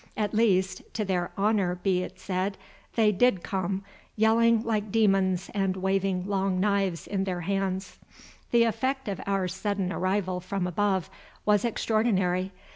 At least, to their honour be it said, they did come, yelling like demons and waving long knives in their hands. The effect of our sudden arrival from above was extraordinary.